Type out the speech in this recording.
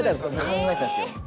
考えたんですよ。